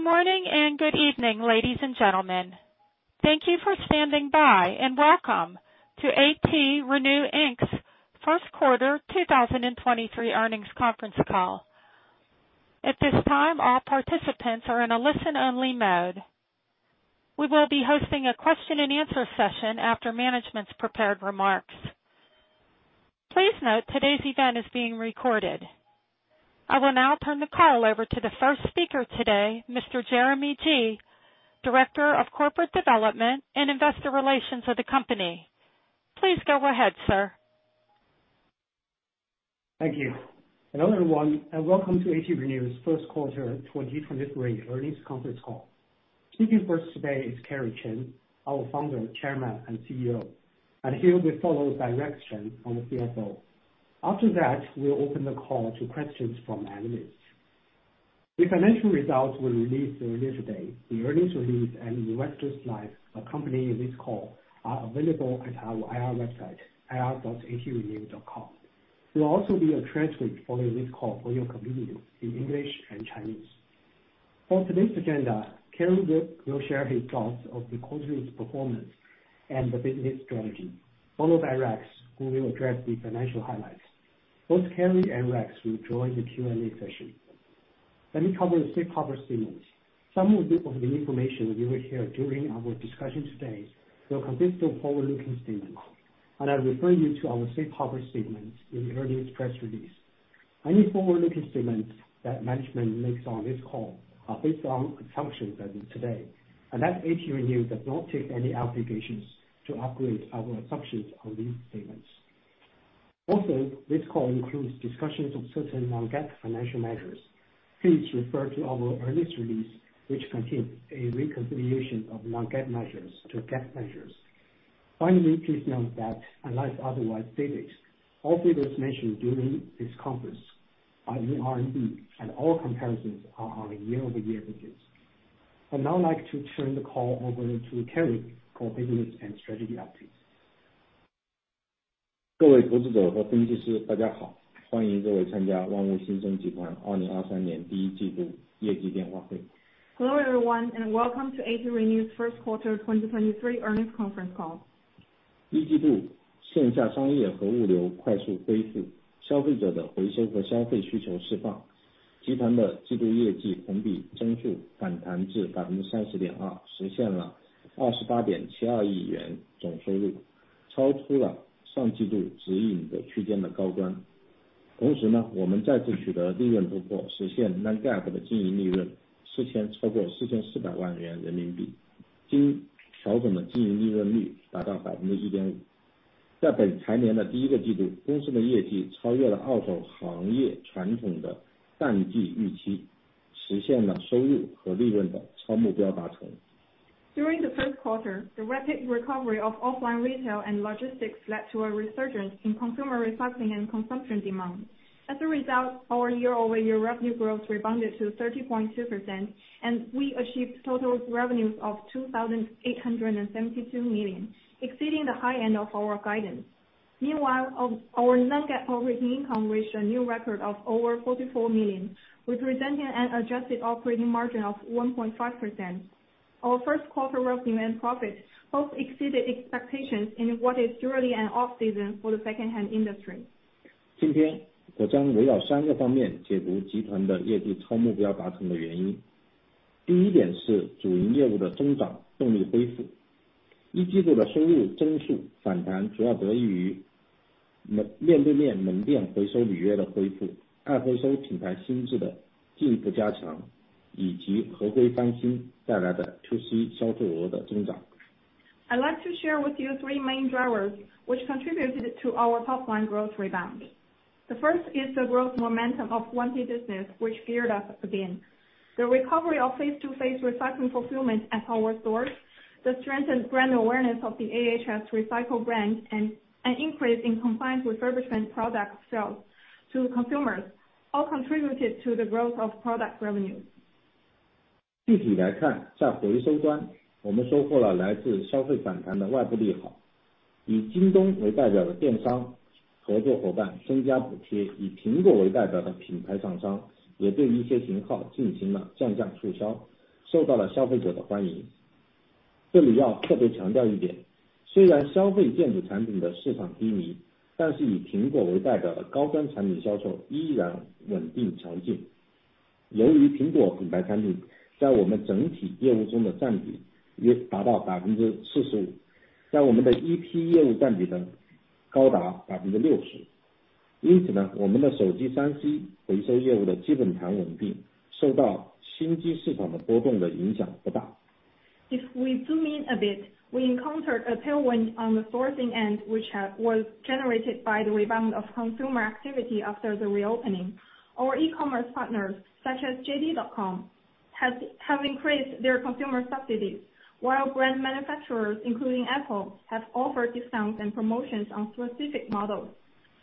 Good morning and good evening, ladies and gentlemen. Thank you for standing by, and welcome to ATRenew Inc.'s first quarter 2023 earnings conference call. At this time, all participants are in a listen-only mode. We will be hosting a question and answer session after management's prepared remarks. Please note today's event is being recorded. I will now turn the call over to the first speaker today, Mr. Jeremy Ji, Director of Corporate Development and Investor Relations of the company. Please go ahead, sir. Thank you. Hello, everyone, and welcome to ATRenew's first quarter 2023 earnings conference call. Speaking first today is Kerry Chen, our Founder, Chairman, and CEO. He will be followed by Rex Chen on the CFO. After that, we'll open the call to questions from analysts. The financial results we released earlier today. The earnings release and investor slides accompanying this call are available at our IR website, ir.atrenew.com. There'll also be a transcript following this call for your convenience in English and Chinese. For today's agenda, Kerry will share his thoughts of the quarter's performance and the business strategy, followed by Rex, who will address the financial highlights. Both Kerry and Rex will join the Q&A session. Let me cover the safe harbor statements. Some of the information you will hear during our discussion today will consist of forward-looking statements, and I refer you to our safe harbor statements in earlier press release. Any forward-looking statements that management makes on this call are based on assumptions as of today, and that ATRenew does not take any obligations to upgrade our assumptions on these statements. Also, this call includes discussions of certain non-GAAP financial measures. Please refer to our earnings release, which contains a reconciliation of non-GAAP measures to GAAP measures. Finally, please note that unless otherwise stated, all figures mentioned during this conference are in RMB and all comparisons are on a year-over-year basis. I'd now like to turn the call over to Kerry for business and strategy updates. Hello, everyone, and welcome to ATRenew's first quarter 2023 earnings conference call. During the first quarter, the rapid recovery of offline retail and logistics led to a resurgence in consumer recycling and consumption demand. Our year-over-year revenue growth rebounded to 30.2%, and we achieved total revenues of 2,872 million, exceeding the high end of our guidance. Meanwhile, our non-GAAP operating income reached a new record of over 44 million, representing an adjusted operating margin of 1.5%. Our first quarter revenue and profits both exceeded expectations in what is surely an off-season for the secondhand industry. I'd like to share with you three main drivers which contributed to our top line growth rebound. The first is the growth momentum of 1P business, which geared up again. The recovery of face-to-face recycling fulfillment at our stores, the strengthened brand awareness of the AHS Recycle brand, and an increase in combined refurbishment product sales to consumers all contributed to the growth of product revenues. If we zoom in a bit, we encountered a tailwind on the sourcing end, which was generated by the rebound of consumer activity after the reopening. Our e-commerce partners, such as JD.com, have increased their consumer subsidies, while brand manufacturers, including Apple, have offered discounts and promotions on specific models.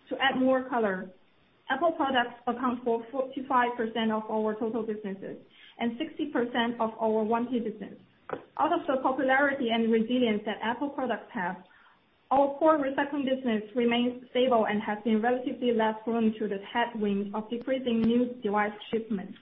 To add more color, Apple products account for 45% of our total businesses and 60% of our 1P business. Out of the popularity and resilience that Apple products have, our core recycling business remains stable and has been relatively less prone to the headwind of decreasing new device shipments.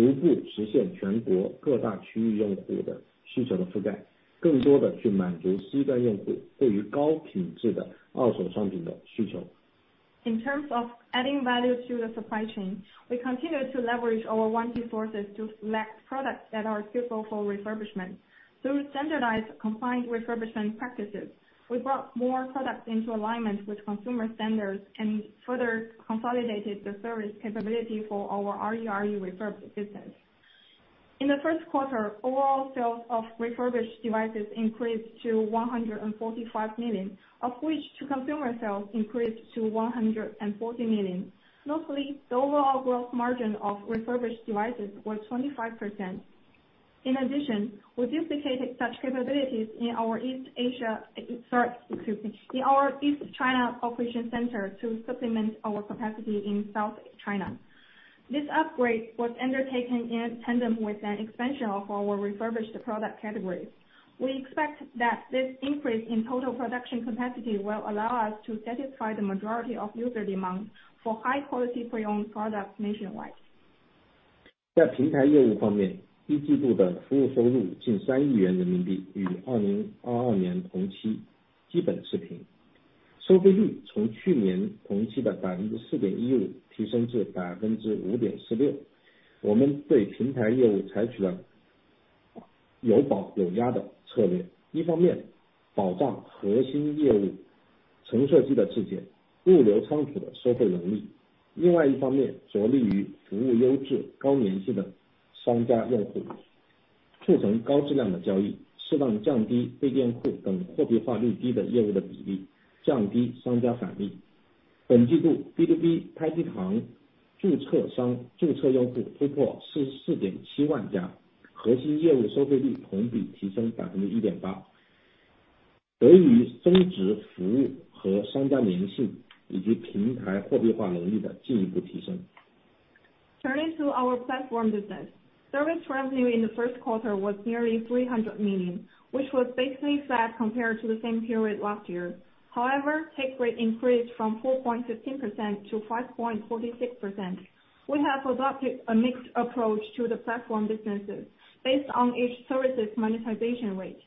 In terms of adding value to the supply chain, we continue to leverage our 1P sources to select products that are suitable for refurbishment. Through standardized-compliant refurbishment practices, we brought more products into alignment with consumer standards and further consolidated the service capability for our RU refurb business. In the first quarter, overall sales of refurbished devices increased to $145 million, of which to consumer sales increased to $140 million. Mostly, the overall growth margin of refurbished devices was 25%. In addition, we duplicated such capabilities in our East Asia... Sorry, excuse me, in our East China operation center to supplement our capacity in South China. This upgrade was undertaken in tandem with an expansion of our refurbished product categories. We expect that this increase in total production capacity will allow us to satisfy the majority of user demand for high-quality pre-owned products nationwide. Turning to our platform business. Service revenue in the first quarter was nearly 300 million, which was basically flat compared to the same period last year. However, take rate increased from 4.15% to 5.46%. We have adopted a mixed approach to the platform businesses based on each service's monetization rate.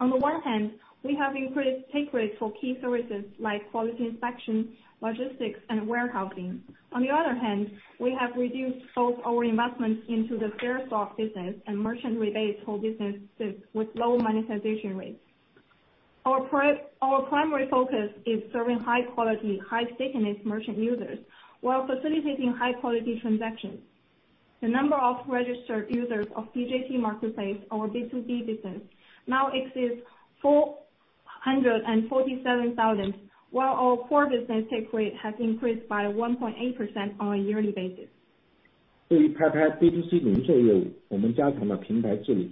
On the one hand, we have increased take rate for key services like quality inspection, logistics, and warehousing. On the other hand, we have reduced both our investments into the Fairsoft business and merchant rebates for businesses with low monetization rates. Our primary focus is serving high-quality, high-stickiness merchant users while facilitating high-quality transactions. The number of registered users of PJT Marketplace, our B2B business, now exceeds 447,000, while our core business take rate has increased by 1.8% on a yearly basis. 对于拍拍 B2C 零售业 务， 我们加强了平台治 理，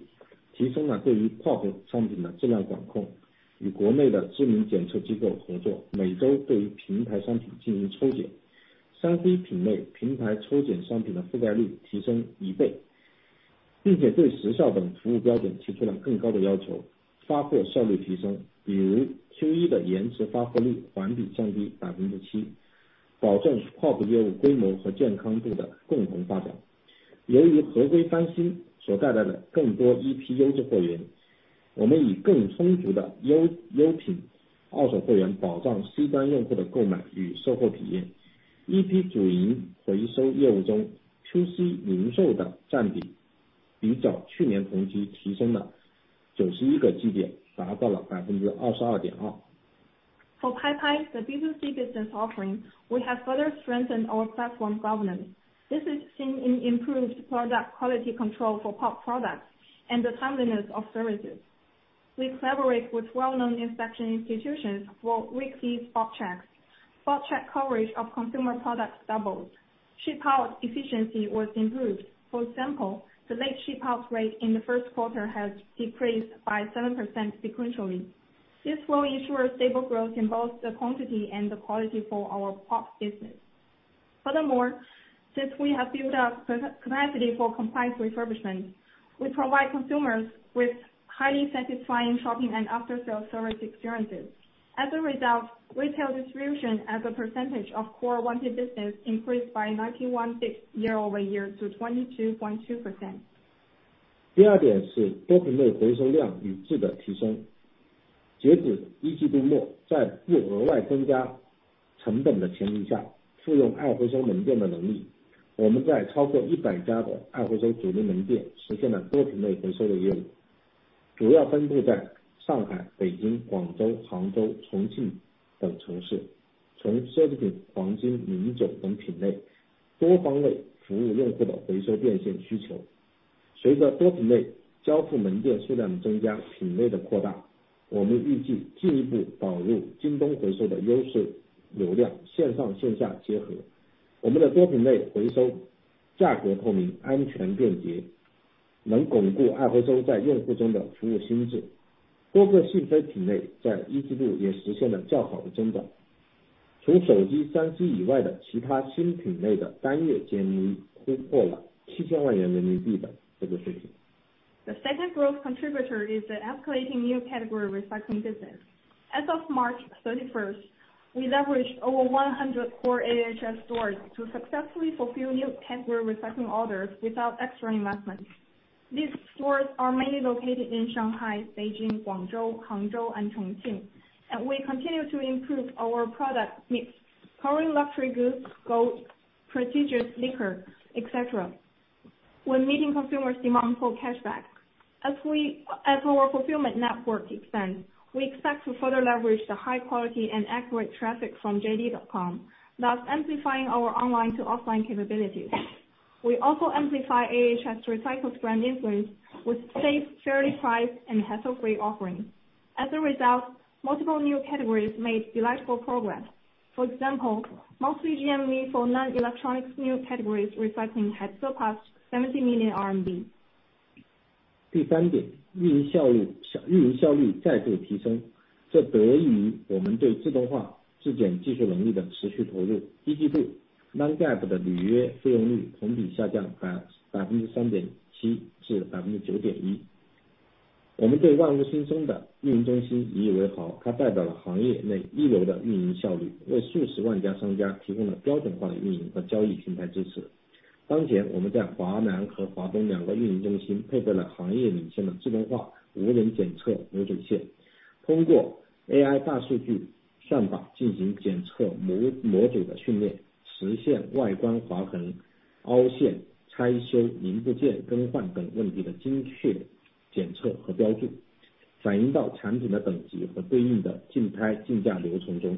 提升了对于 POP 产品的质量管 控， 与国内的知名检测机构合 作， 每周对于平台商品进行抽检。3C 品类平台抽检商品的覆盖率提升一 倍， 并且对时效等服务标准提出了更高的要 求， 发货效率提升。比如 Q1 的延迟发货率环比降低百分之 七， 保证 POP 业务规模和健康度的共同发展。由于合规翻新所带来的更多 EP 优质货 源， 我们以更充足的 优， 优品二手货源保障 C 端用户的购买与售后体验。EP 主营回收业务中 ，2C 零售的占比比照去年同期提升了九十一个基点，达到了百分之二十二点二。For Paipai, the B2C business offering, we have further strengthened our platform governance. This is seen in improved product quality control for POP products and the timeliness of services. We collaborate with well-known inspection institutions for weekly spot checks. Spot check coverage of consumer products doubled. Ship-out efficiency was improved. For example, the late ship-out rate in the first quarter has decreased by 7% sequentially. This will ensure stable growth in both the quantity and the quality for our POP business. Furthermore, since we have built up capacity for compliant refurbishment, we provide consumers with highly-satisfying shopping and after-sale service experiences. As a result, retail distribution as a percentage of core 1P business increased by 91 big year-over-year to 22.2%. 第二点是多品类回收量与质的提 升. 截止一季度 末, 在不额外增加成本的前提 下, 赋用 ATRenew 门店的能 力. 我们在超过100家的 ATRenew 主力门店实现了多品类回收的业 务, 主要分布在上海、北京、广州、杭州、重庆等城 市. 从奢侈品、黄金、名酒等品 类, 多方位服务用户的回收变现需 求. 随着多品类交付门店数量增 加, 品类的扩 大, 我们预计进一步导入 JD.com 回收的优势流 量, 线上线下结 合. 我们的多品类回 收, 价格透 明, 安全便 捷, 能巩固 ATRenew 在用户中的服务形 象. 多个非品类在一季度也实现了较好的增 长. 除手机、3C 以外的其他新品类的单月 GMV 突破了 RMB 70 million 的这个数 据. The second growth contributor is the escalating new category recycling business. As of March 31, we leveraged over 100 core AHS stores to successfully fulfill new category recycling orders without extra investments. These stores are mainly located in Shanghai, Beijing, Guangzhou, Hangzhou, and Chongqing, and we continue to improve our product mix, covering luxury goods, gold, prestigious liquor, et cetera. We're meeting consumers' demand for cashback. As our fulfillment network expands, we expect to further leverage the high quality and accurate traffic from JD.com, thus amplifying our online-to-offline capabilities. We also amplify AHS Recycle's brand influence with safe, fairly-priced, and hassle-free offerings. As a result, multiple new categories made delightful progress. For example, monthly GMV for non-electronics new categories recycling had surpassed RMB 70 million. 第三 点， 运营效率再度提 升， 这得益于我们对自动化质检技术能力的持续投入。一季度 ，non-GAAP 的履约费用率同比下降 3.7% 至 9.1%。我们对万物新生的运营中心引以为 豪， 它代表了行业内一流的运营效 率， 为数十万家商家提供了标准化的运营和交易平台支持。当 前， 我们在华南和华东两个运营中心配备了行业领先的自动化无人检测流水 线， 通过 AI 大数据算法进行检 测， 模组的训练，实现外观划痕、凹陷、拆修、零部件更换等问题的精确检测和标 注， 反映到产品的等级和对应的竞拍竞价流程中。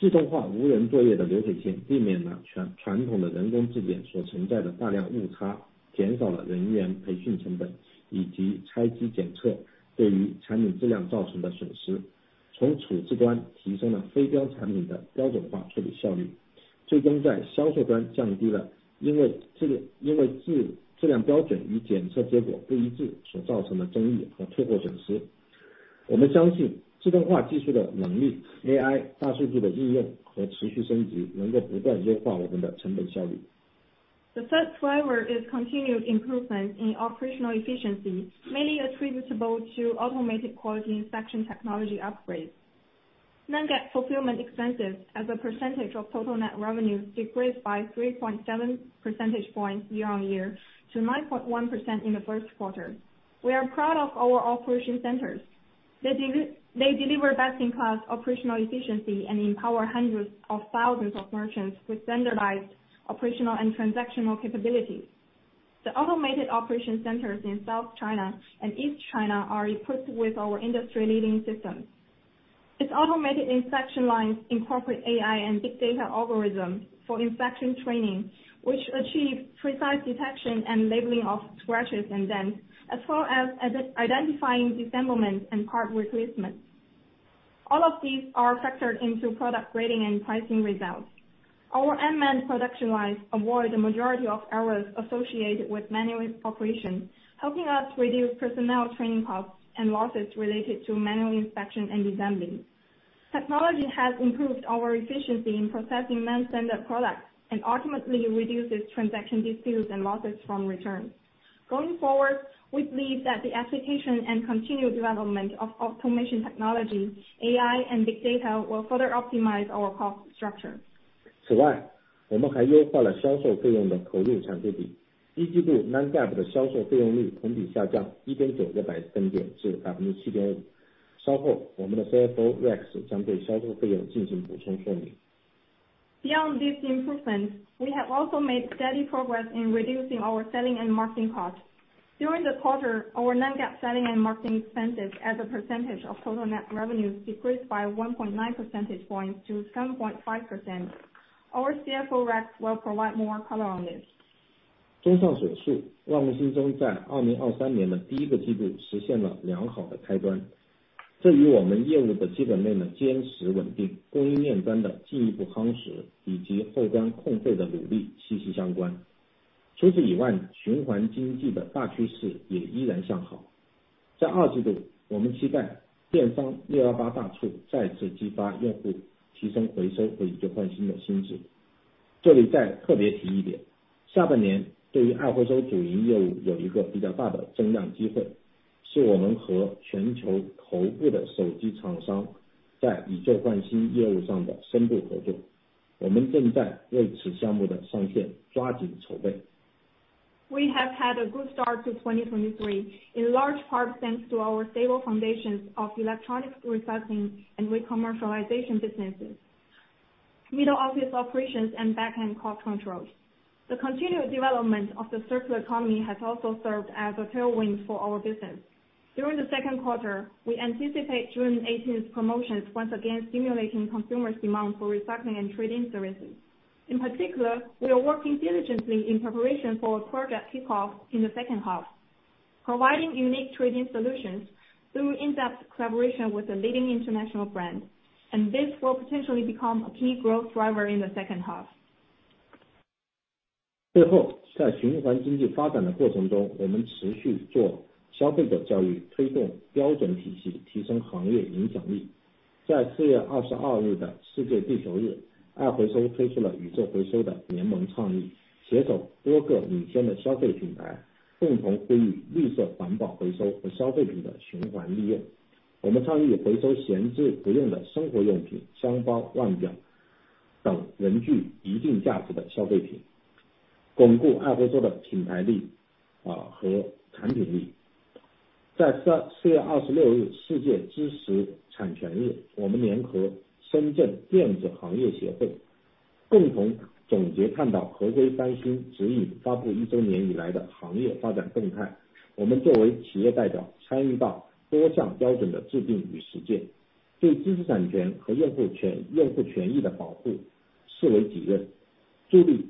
自动化无人作业的流水线避免了传统的人工质检所存在的大量误 差， 减少了人员培训成本以及拆机检测对于产品质量造成的损 失， 从处置端提升了非标产品的标准化处理效率，最终在销售端降低了因为质量标准与检测结果不一致所造成的争议和退货损失。我们相信自动化技术的能力 ，AI 大数据的应用和持续升级能够不断优化我们的成本效率。The third driver is continued improvement in operational efficiency, mainly attributable to automated quality inspection technology upgrades. Non-GAAP fulfillment expenses as a percentage of total net revenues decreased by 3.7 percentage points year-on-year to 9.1% in the first quarter. We are proud of our operation centers. They deliver best-in-class operational efficiency and empower hundreds of thousands of merchants with standardized operational and transactional capabilities. The automated operation centers in South China and East China are equipped with our industry-leading systems. Its automated inspection lines incorporate AI and big data algorithms for inspection training, which achieve precise detection and labeling of scratches and dents, as well as identifying dissemblement and part replacement. All of these are factored into product grading and pricing results. Our unmanned production lines avoid the majority of errors associated with manual operation, helping us reduce personnel training costs and losses related to manual inspection and dissembling. Technology has improved our efficiency in processing non-standard products and ultimately reduces transaction disputes and losses from returns. Going forward, we believe that the application and continued development of automation technology, AI and big data will further optimize our cost structure. Beyond these improvements, we have also made steady progress in reducing our selling and marketing costs. During the quarter, our non-GAAP selling and marketing expenses as a percentage of total net revenues decreased by 1.9 percentage points to 7.5%. Our CFO, Rex, will provide more color on this. We have had a good start to 2023, in large part thanks to our stable foundations of electronic recycling and re-commercialization businesses, middle-office operations and back-end cost controls. The continued development of the circular economy has also served as a tailwind for our business. During the second quarter, we anticipate June 18 promotions once again stimulating consumers' demand for recycling and trade-in services. In particular, we are working diligently in preparation for a project kickoff in the second half, providing unique trade-in solutions through in-depth collaboration with a leading international brand. This will potentially become a key growth driver in the second half. As the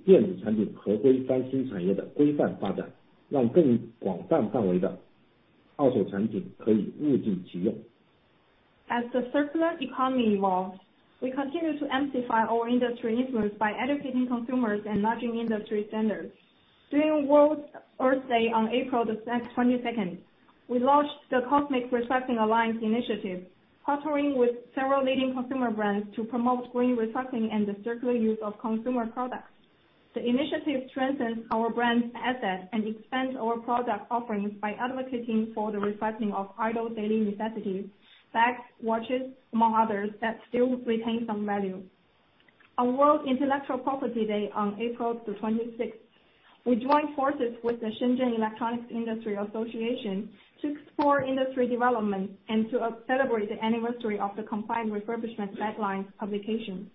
circular economy evolves, we continue to amplify our industry influence by educating consumers and launching industry standards. During Earth Day on April 22nd, we launched the Cosmic Recycling Alliance initiative, partnering with several leading consumer brands to promote green recycling and the circular use of consumer products. The initiative strengthens our brand's assets and expands our product offerings by advocating for the recycling of idle daily necessities, bags, watches, among others, that still retain some value. On World Intellectual Property Day on April 26, we joined forces with the Shenzhen Electronics Industry Association to explore industry development and to celebrate the anniversary of the compliant refurbishment guidelines publication.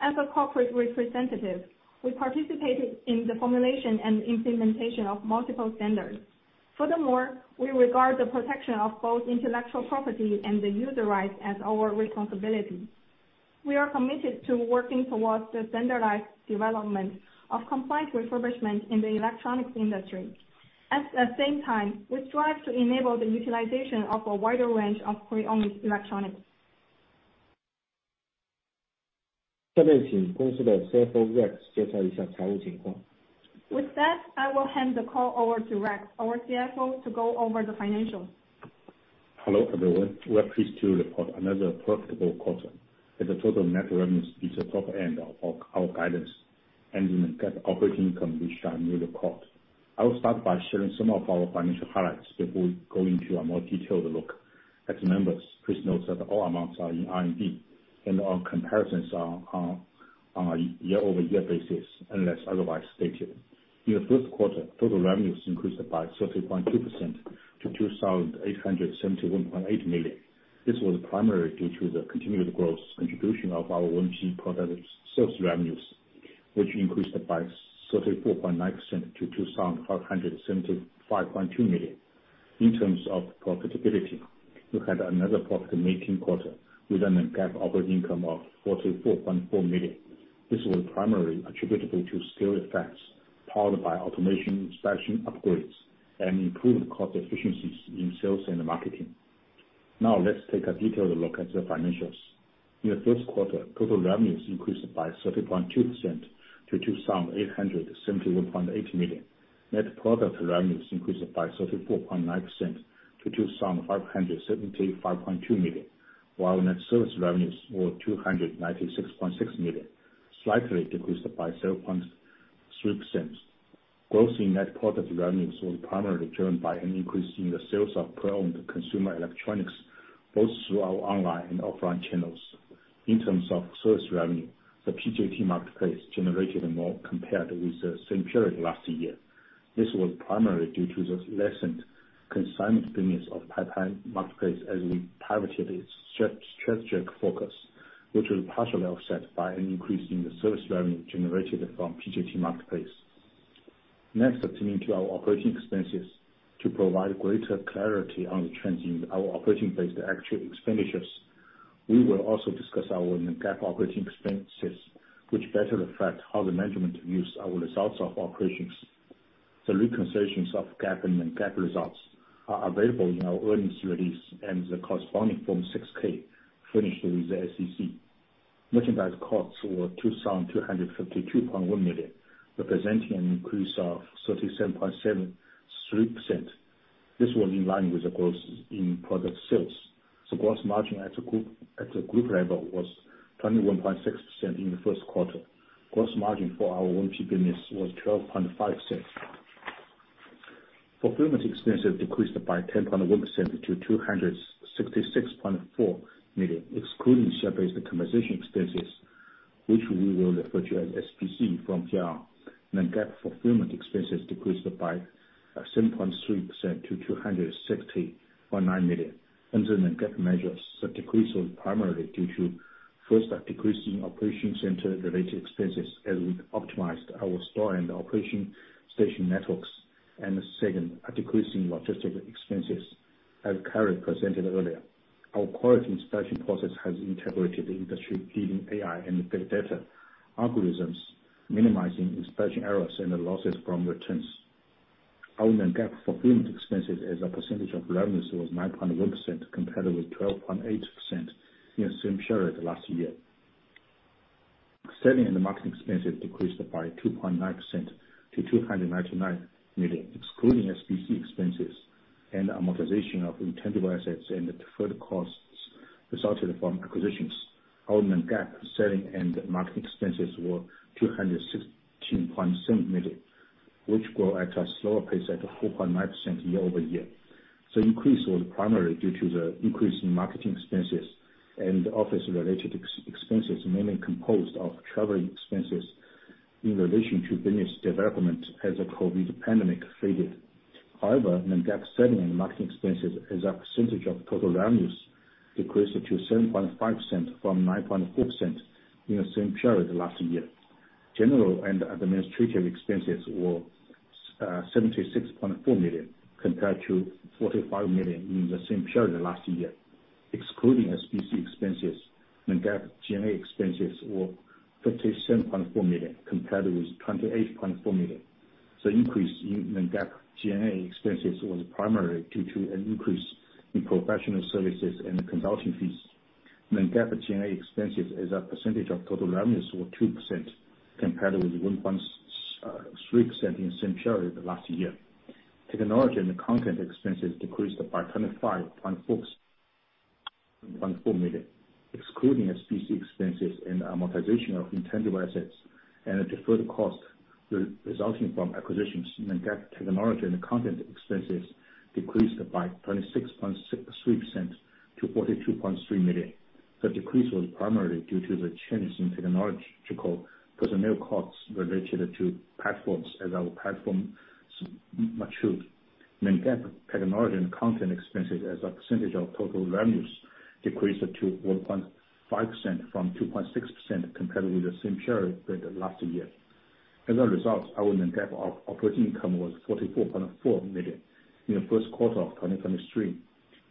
As a corporate representative, we participated in the formulation and implementation of multiple standards. Furthermore, we regard the protection of both intellectual property and the user rights as our responsibility. We are committed to working towards the standardized development of compliant refurbishment in the electronics industry. At the same time, we strive to enable the utilization of a wider-range of pre-owned electronics. With that, I will hand the call over to Rex, our CFO, to go over the financials. Hello, everyone. We're pleased to report another profitable quarter, with the total net revenues at the top end of our guidance and an operating income which sets a new record. I will start by sharing some of our financial highlights before going to a more detailed look at the numbers. Please note that all amounts are in RMB, and our comparisons are on a year-over-year basis unless otherwise stated. In the first quarter, total revenues increased by 30.2% to 2,871.8 million. This was primarily due to the continued growth contribution of our OMG product sales revenues, which increased by 34.9% to 2,575.2 million. In terms of profitability, we had another profit-making quarter with a Non-GAAP operating income of 44.4 million. This was primarily attributable to scale effects powered by automation inspection upgrades and improved cost efficiencies in sales and marketing. Let's take a detailed look at the financials. In the first quarter, total revenues increased by 30.2% to 2,871.8 million. Net product revenues increased by 34.9% to 2,575.2 million, while net service revenues were 296.6 million, slightly decreased by 0.3%. Growth in net product revenues was primarily driven by an increase in the sales of pre-owned consumer electronics, both through our online and offline channels. In terms of service revenue, the PJT Marketplace generated more compared with the same period last year. This was primarily due to the lessened consignment business of Taobao Marketplace as we pivoted its strategic focus, which was partially offset by an increase in the service revenue generated from PJT Marketplace. Turning to our operating expenses. To provide greater clarity on the trends in our operating-based actual expenditures, we will also discuss our Non-GAAP operating expenses, which better reflect how the management use our results of operations. The reconciliations of GAAP and Non-GAAP results are available in our earnings release and the corresponding Form 6-K filed with the SEC. Merchandise costs were $2,252.1 million, representing an increase of 37.73%. This was in line with the growth in product sales. Gross margin as a group, at the group level was 21.6% in the first quarter. Gross margin for our OMG business was 12.5%. Fulfillment expenses decreased by 10.1% to 266.4 million, excluding share-based compensation expenses, which we will refer to as SBC from here on. Non-GAAP fulfillment expenses decreased by 7.3% to 260.9 million under non-GAAP measures. The decrease was primarily due to, first, a decrease in operation-center-related expenses as we optimized our store and operation station networks. Second, a decrease in logistical expenses as Carrie presented earlier. Our quality inspection process has integrated industry-leading AI and big data algorithms, minimizing inspection errors and the losses from returns. Our non-GAAP fulfillment expenses as a percentage of revenues was 9.1% compared with 12.8% in the same period last year. Selling and marketing expenses decreased by 2.9% to 299 million, excluding SBC expenses and amortization of intangible assets, and the deferred costs resulted from acquisitions. Our Non-GAAP selling and marketing expenses were 216.7 million, which grew at a slower pace at 4.9% year-over-year. The increase was primarily due to the increase in marketing expenses and office-related expenses, mainly composed of traveling expenses in relation to business development as the COVID-19 pandemic faded. However, Non-GAAP selling and marketing expenses as a percentage of total revenues decreased to 7.5% from 9.4% in the same period last year. General and administrative expenses were 76.4 million compared to 45 million in the same period last year. Excluding SBC expenses, non-GAAP G&A expenses were 57.4 million compared with 28.4 million. The increase in non-GAAP G&A expenses was primarily due to an increase in professional services and consulting fees. Non-GAAP G&A expenses as a percentage of total revenues were 2% compared with 1.3% in the same period last year. Technology and content expenses decreased by 25.4 million, excluding SBC expenses and amortization of intangible assets and the deferred cost resulting from acquisitions. Non-GAAP technology and content expenses decreased by 26.3% to 42.3 million. The decrease was primarily due to the changes in technological personnel costs related to platforms as our platforms matured. Non-GAAP technology and content expenses as a percentage of total revenues decreased to 1.5% from 2.6% compared with the same period last year. As a result, our non-GAAP operating income was 44.4 million in the first quarter of 2023.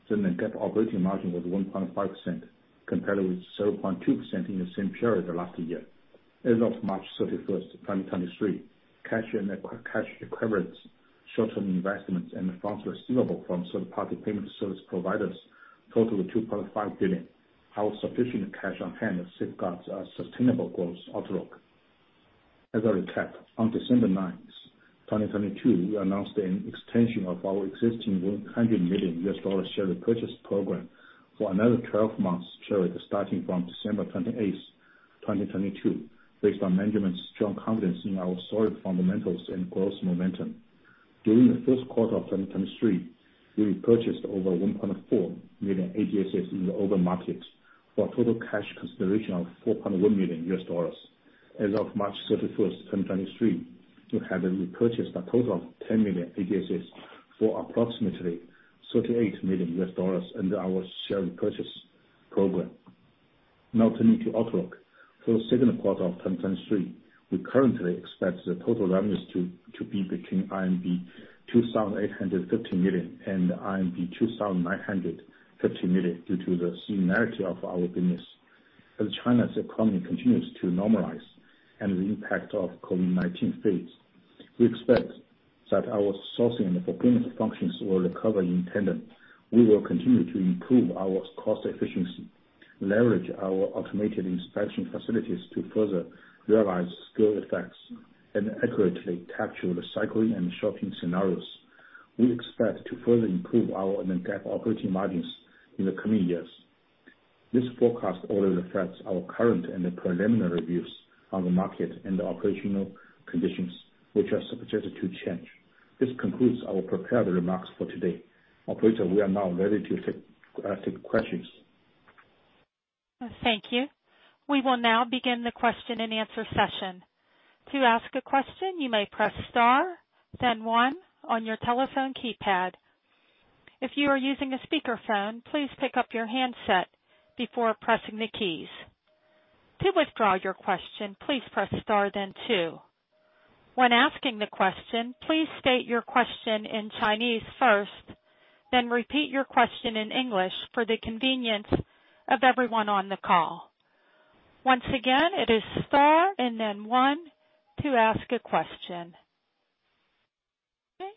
The non-GAAP operating margin was 1.5% compared with 0.2% in the same period last year. As of March 31, 2023, cash and cash equivalents, short-term investments, and funds receivable from third-party payment service providers totaled 2.5 billion. Our sufficient cash on hand safeguards our sustainable growth outlook. As a recap, on December 9, 2022, we announced an extension of our existing $100 million share repurchase program for another 12 months period starting from December 28, 2022, based on management's strong confidence in our solid fundamentals and growth momentum. During the first quarter of 2023, we repurchased over 1.4 million ADSs in the open markets for a total cash consideration of $4.1 million. As of March 31, 2023, we had repurchased a total of 10 million ADSs for approximately $38 million under our share repurchase program. Now turning to outlook. For the second quarter of 2023, we currently expect the total revenues to be between RMB 2,850 million and RMB 2,950 million due to the seasonality of our business. As China's economy continues to normalize and the impact of COVID-19 fades, we expect that our sourcing and fulfillment functions will recover in tandem. We will continue to improve our cost efficiency, leverage our automated inspection facilities to further realize scale effects, and accurately capture the cycling and shopping scenarios. We expect to further improve our Non-GAAP operating margins in the coming years. This forecast only reflects our current and preliminary views on the market and the operational conditions, which are subjected to change. This concludes our prepared remarks for today. Operator, we are now ready to take questions. Thank you. We will now begin the question-and-answer session. To ask a question, you may press star then 1 on your telephone keypad. If you are using a speakerphone, please pick up your handset before pressing the keys. To withdraw your question, please press star then 2. When asking the question, please state your question in Chinese first, then repeat your question in English for the convenience of everyone on the call. Once again, it is star and then 1 to ask a question. Okay.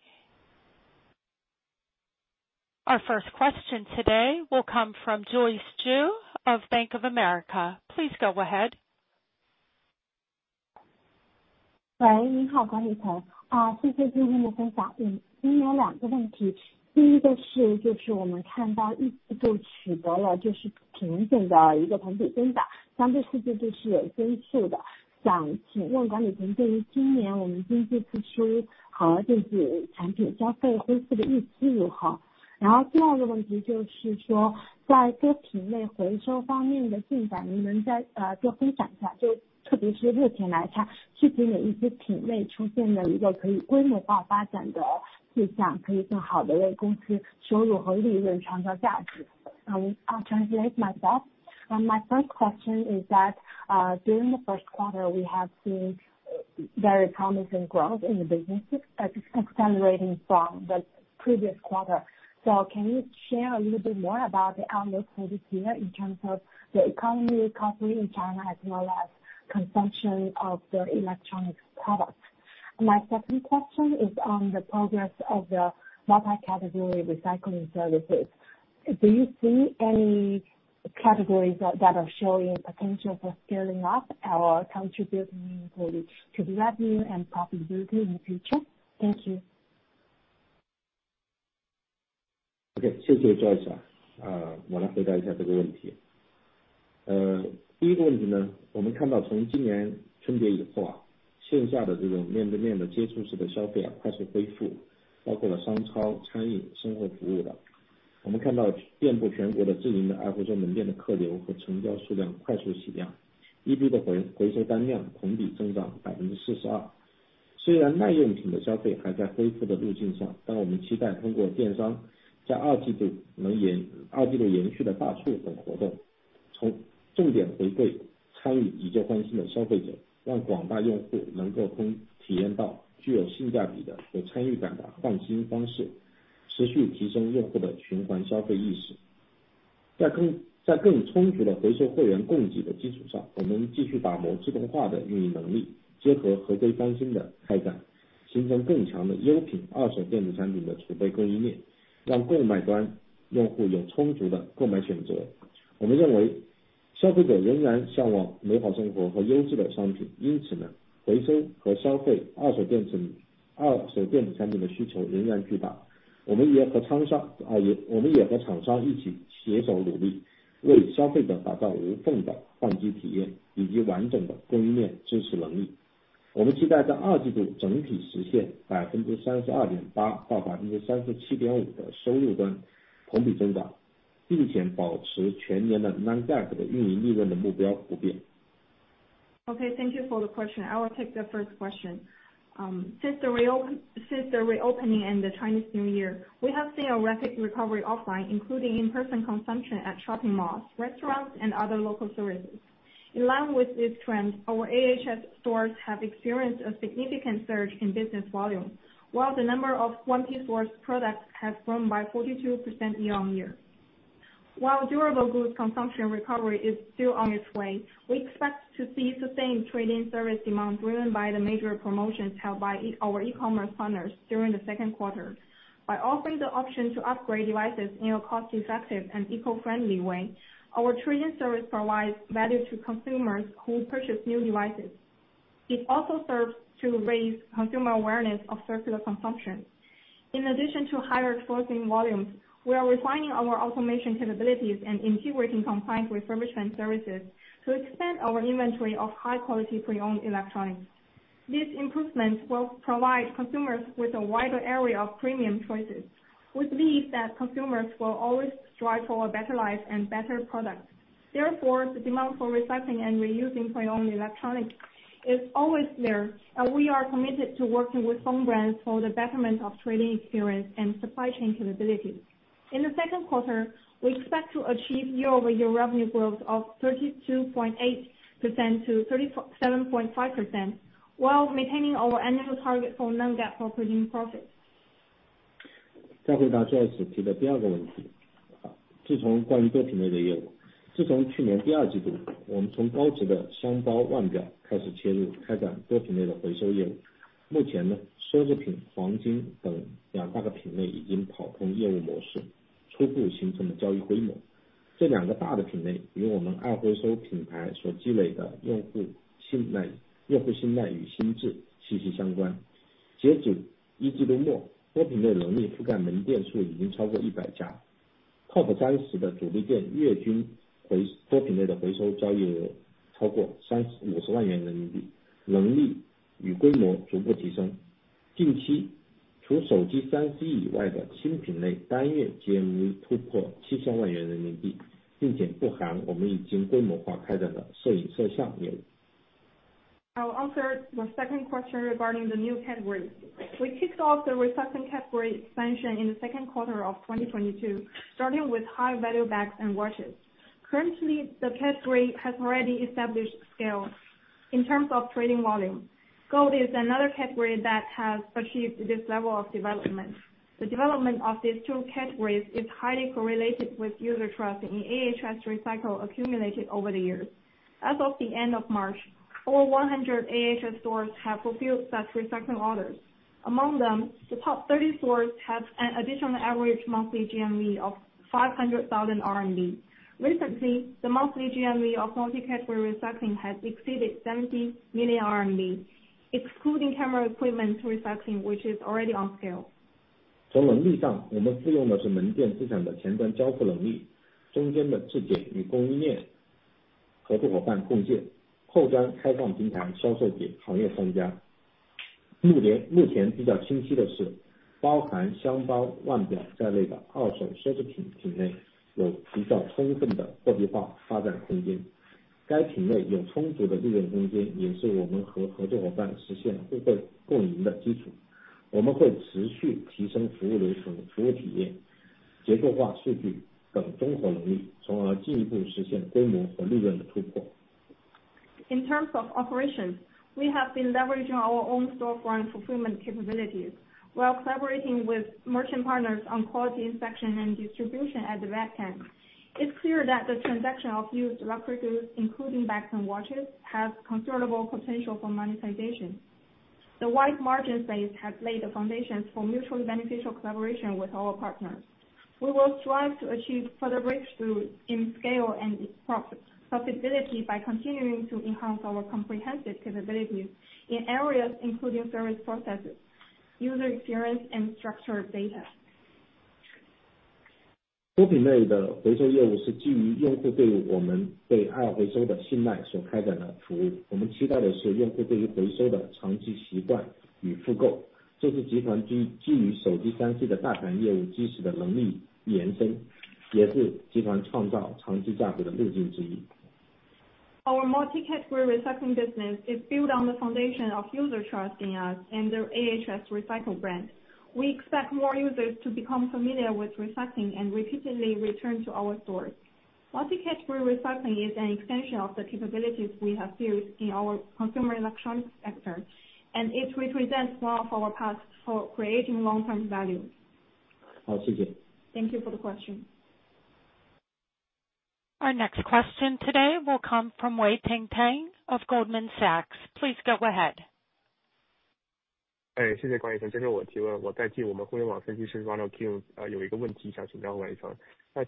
Our first question today will come from Joyce Ju of Bank of America. Please go ahead. I'll translate myself. My first question is that, during the first quarter, we have seen very promising growth in the business, accelerating from the previous quarter. Can you share a little bit more about the outlook for this year in terms of the economy recovery in China, as well as consumption of the electronics products? My second question is on the progress of the multi-category recycling services. Do you see any categories that are showing potential for scaling-up or contributing to the revenue and profitability in the future? Thank you. Okay. I'll translate myself. My first question is that, during the first quarter, we have seen very promising growth in the business, accelerating from the previous quarter. Can you share a little bit more about the outlook for this year in terms of the economy recovery in China, as well as consumption of the electronics products? My second question is on the progress of the multi-category recycling services. Do you see any categories that are showing potential for scaling-up or contributing to the revenue and profitability in the future? Thank you. Okay, thank you for the question. I will take the first question. Since the reopening in the Chinese New Year, we have seen a rapid recovery offline, including in-person consumption at shopping malls, restaurants, and other local services. In line with this trend, our AHS stores have experienced a significant surge in business volume, while the number of 1P sourced products has grown by 42% year-on-year. While durable goods consumption recovery is still on its way, we expect to see sustained trade-in service demand driven by the major promotions held by our e-commerce partners during the second quarter. By offering the option to upgrade devices in a cost-effective and eco-friendly way, our trade-in service provides value to consumers who purchase new devices. It also serves to raise consumer awareness of circular consumption. In addition to higher sourcing volumes, we are refining our automation capabilities and integrating compliant refurbishment services to expand our inventory of high-quality pre-owned electronics. These improvements will provide consumers with a wider-array of premium choices. We believe that consumers will always strive for a better life and better products. The demand for recycling and reusing for your own electronics is always there, and we are committed to working with phone brands for the betterment of trading experience and supply chain capabilities. In the second quarter, we expect to achieve year-over-year revenue growth of 32.8% to 37.5%, while maintaining our annual target for non-GAAP operating profits. 再回答 Joanne 提的第2个问题。关于多品类的业 务， 自从去年第2季 度， 我们从高值的箱包、腕表开始切入开展多品类的回收业务。目前 呢， 奢侈品、黄金等2大品类已经跑通业务模 式， 初步形成了交易规模。这2个大的品类与我们爱回收品牌所积累的用户信 赖， 用户信赖与心智息息相关。截止1季度 末， 多品类能力覆盖门店数已经超过100家。Top 30的主力店月均多品类的回收交易额超过 RMB 30 万-RMB 50 万。能力与规模逐步提升。近期，除手机 3C 以外的新品 类， 单月 GMV 突破 RMB 7,000 万， 并且不含我们已经规模化开展的摄影摄像业务。I'll answer the second question regarding the new category. We kicked off the recycling category expansion in the second quarter 2022, starting with high-value bags and watches. Currently, the category has already established scale in terms of trading volume. Gold is another category that has achieved this level of development. The development of these two categories is highly correlated with user trust in AHS Recycle accumulated over the years. As of the end of March, over 100 AHS stores have fulfilled such recycling orders. Among them, the top 30 stores have an additional average monthly GMV of 500,000 RMB. Recently, the monthly GMV of multi-category recycling has exceeded 70 million RMB, excluding camera equipment recycling, which is already on scale. 从能力 上， 我们是用的是门店资产的前端交付能 力， 中间的质检与供应链合作伙伴共 建， 后端开放平台销售给行业商家。目 前， 目前比较清晰的 是， 包含箱包、腕表在内的二手奢侈品品 类， 有比较充分的货币化发展空间。该品类有充足的利润空 间， 也是我们和合作伙伴实现互惠共赢的基础。我们会持续提升服务能 力， 服务体验、结构化数据等综合能 力， 从而进一步实现规模和利润的突破。In terms of operations, we have been leveraging our own storefront fulfillment capabilities while collaborating with merchant partners on quality inspection and distribution at the back-end. It's clear that the transaction of used luxury goods, including bags and watches, has considerable potential for monetization. The wide margin base has laid the foundations for mutually beneficial collaboration with our partners. We will strive to achieve further breakthrough in scale and its profitability by continuing to enhance our comprehensive capabilities in areas including service processes, user experience, and structured data. 多品类的回收业务是基于用户对于我们对 ATRenew 的信赖所开展的服务。我们期待的是用户对于回收的长期习惯与复购。这是集团基于手机 3C 的大盘业务基石的能力延 伸， 也是集团创造长期价值的路径之一。Our multi-category recycling business is built on the foundation of user trust in us and their AHS Recycle brand. We expect more users to become familiar with recycling and repeatedly return to our stores. Multi-category recycling is an extension of the capabilities we have built in our consumer electronics sector, and it represents one of our paths for creating long-term value. 好， 谢谢。Thank you for the question. Our next question today will come from Weiting Tang of Goldman Sachs. Please go ahead. 谢谢管理层. 这是我提问. 我代替我们互联网分析师 Ronald Keung，有一个问题想请教管理层.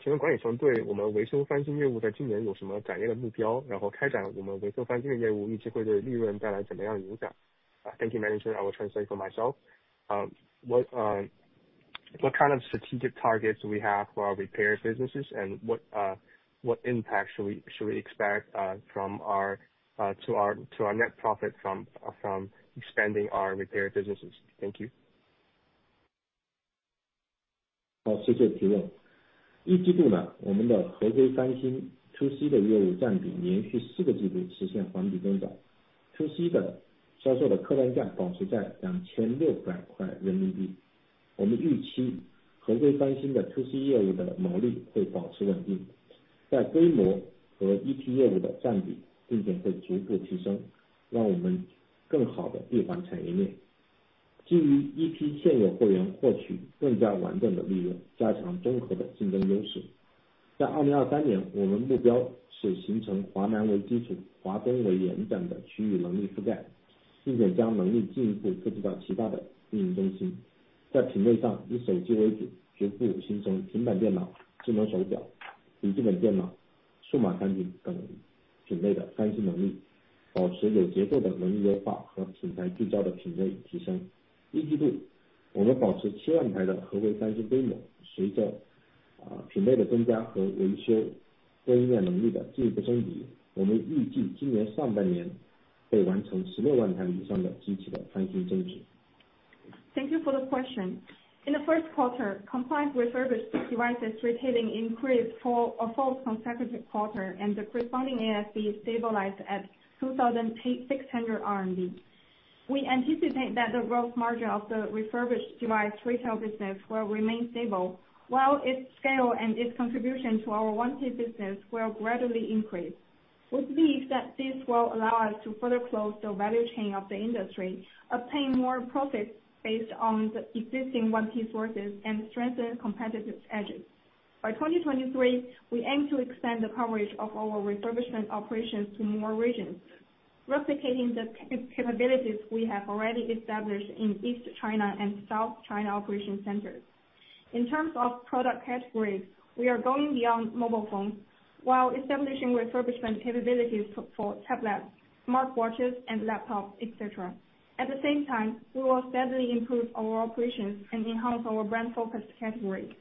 请问管理层对我们维修翻新业务在今年有什么战略的目标？开展我们维修翻新业务预计会对利润带来什么样的影响？Thank you, manager, I will translate for myself. What kind of strategic targets we have for our repair businesses? What impact should we expect from our to our net profit from expanding our repair businesses? Thank you. 好， 谢谢提问。一季度 呢， 我们的合规翻新 To C 的业务占比连续四个季度实现环比增长。To C 的销售的客单价保持在两千六百块人民币。我们预期合规翻新的 To C 业务的毛利会保持稳定。在规模和 To B 业务的占比并且会逐步提 升， 让我们更好地运转产业链。基于 To B 现有会员获取更加稳定的利 润， 加强综合的竞争优势。在二零二三 年， 我们目标是形成华南为基 础， 华东为延展的区域能力覆 盖， 并且将能力进一步复制到其他的运营中心。在品类上以手机为 主， 逐步形成平板电脑、智能手表、笔记本电脑、数码产品等品类的翻新能力，保持有节奏的能力优化和品牌聚焦的品类提升。一季 度， 我们保持七万台的合规翻新规 模， 随着品类的增加和维 修， 维修能力的进一步增 强. 我们预计今年上半年会完成 160,000 台以上的机器的翻新增 值. Thank you for the question. In the first quarter, compliance-refurbished devices retailing increased for a fourth consecutive quarter and the corresponding ASP stabilized at 2,600 RMB. We anticipate that the gross margin of the refurbished device retail business will remain stable, while its scale and its contribution to our business will gradually increase. We believe that this will allow us to further close the value chain of the industry, obtain more profits based on the existing sources and strengthen competitive edges. By 2023, we aim to extend the coverage of our refurbishment operations to more regions, replicating the capabilities we have already established in East China and South China operation centers. In terms of product categories, we are going beyond mobile phones while establishing refurbishment capabilities for tablets, smartwatches and laptops, et cetera. At the same time, we will steadily improve our operations and enhance our brand focused categories.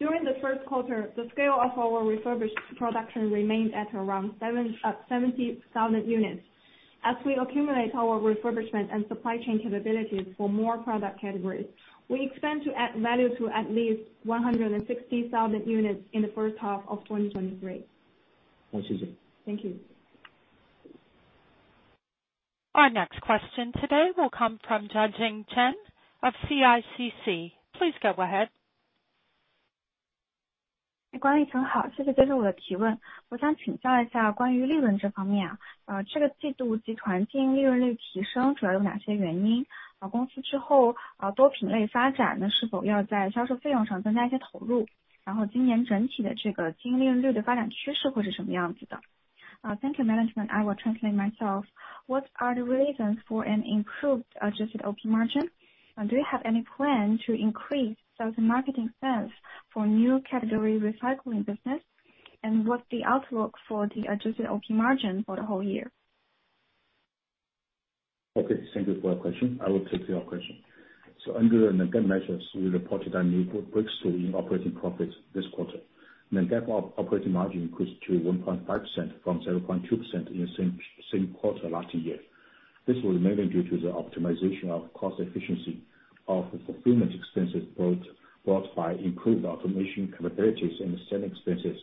During the first quarter, the scale of our refurbished production remained at around 70,000 units. As we accumulate our refurbishment and supply chain capabilities for more product categories, we expect to add value to at least 160,000 units in the first half of 2023. Thank you. Thank you. Our next question today will come from Jiajing Chen of CICC. Please go ahead. 关于 Jiajing Chen， 谢 谢， 这是我的提问。我想请教一下关于利润这方 面， 这个季度集团净利润率提升主要有哪些原 因？ 公司之 后， 多品类发展呢是否要在销售费用上增加一些投 入？ 然后今年整体的这个净利润率的发展趋势会是什么样子 的？ Thank you, management. I will translate myself. What are the reasons for an improved adjusted OP margin? Do you have any plan to increase sales and marketing spends for new category recycling business? What's the outlook for the adjusted OP margin for the whole year? Okay, thank you for your question. I will take your question. Under the measures, we reported a new breakthrough in operating profits this quarter. Non-GAAP operating margin increased to 1.5% from 0.2% in the same quarter last year. This was mainly due to the optimization of cost efficiency of the fulfillment expenses brought by improved automation capabilities and the selling expenses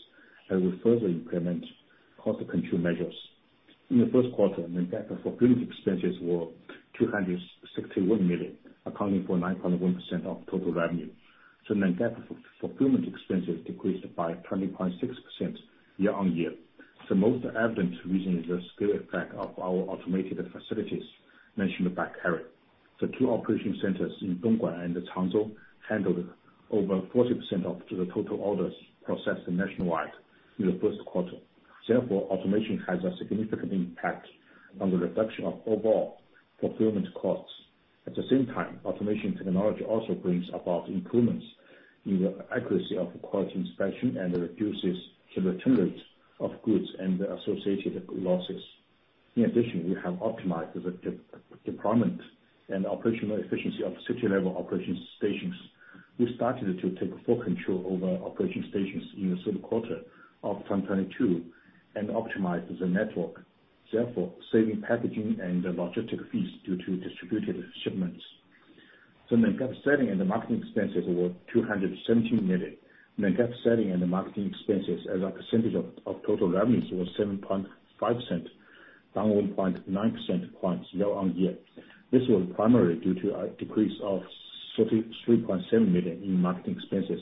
as we further implement cost control measures. In the first quarter, Non-GAAP fulfillment expenses were 261 million, accounting for 9.1% of total revenue. Non-GAAP fulfillment expenses decreased by 20.6% year-over-year. The most evident reason is the scale effect of our automated facilities mentioned by Kerry. The two operation centers in Dongguan and Hangzhou handled over 40% of the total orders processed nationwide in the first quarter. Therefore, automation has a significant impact on the reduction of overall fulfillment costs. At the same time, automation technology also brings about improvements in the accuracy of quality inspection and reduces the returns of goods and the associated losses. In addition, we have optimized the department and operational efficiency of city-level operation stations. We started to take full control over operation stations in the third quarter of 2022 and optimize the network, therefore saving packaging and logistic fees due to distributed shipments. Non-GAAP selling and marketing expenses were $217 million. Non-GAAP selling and marketing expenses as a percentage of total revenues was 7.5%, down 1.9 percentage points year-over-year. This was primarily due to a decrease of $33.7 million in marketing expenses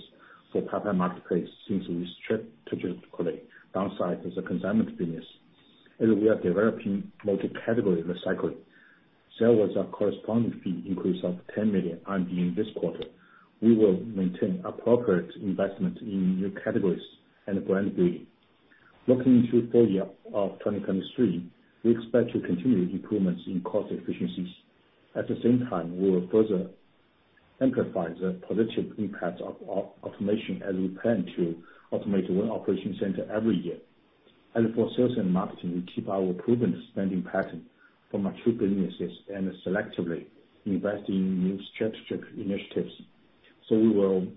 for partner marketplace since we strategically downsized the consignment business. As we are developing multi-category recycling, there was a corresponding fee increase of 10 million RMB this quarter. We will maintain appropriate investment in new categories and brand building. Looking into full-year of 2023, we expect to continue improvements in cost efficiencies. At the same time, we will further amplify the positive impacts of automation as we plan to automate one operation center every year. For sales and marketing, we keep our proven spending pattern for mature businesses and selectively invest in new strategic initiatives. We will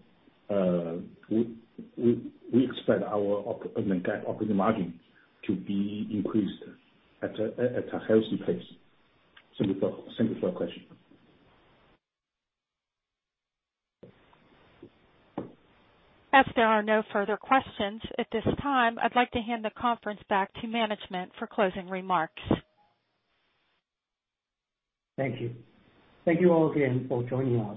expect our operating margin to be increased at a healthy pace. Thank you for your question. As there are no further questions, at this time, I'd like to hand the conference back to management for closing remarks. Thank you. Thank you all again for joining us.